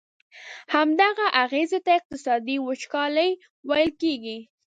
همدغه اغیزي ته اقتصادي وچکالي ویل کیږي.